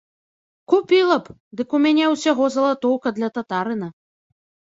Купіла б, дык у мяне ўсяго залатоўка для татарына.